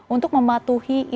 untuk mematuhi informasi